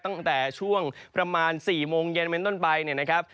ตั้งแต่ช่วงประมาณ๔โมงเย็นเป็นต้นไปเนี่ยนะครับ